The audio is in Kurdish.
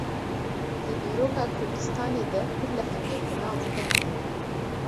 Di dîroka Kurdistanê de pir lehengên bi nav û deng hene